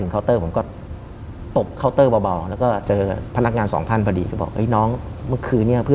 เคาน์เตอร์ก็บอก